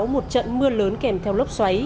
một trận mưa lớn kèm theo lốc xoáy